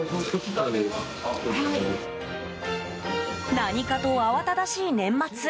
何かと慌ただしい年末。